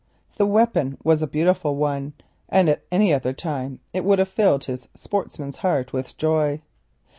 The weapon was a beautiful one, and at any other time it would have filled his sportsman's heart with joy.